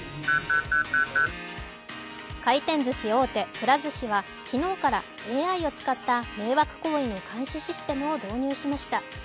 回転ずし大手、くら寿司は昨日からＡＩを使った迷惑行為の監視システムを導入しました。